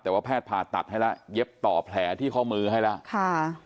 แต่ว่าแพทย์ผ่าตัดให้แล้วเย็บต่อแผลที่ข้อมือให้แล้วค่ะ